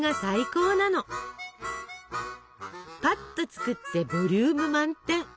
ぱっと作ってボリューム満点！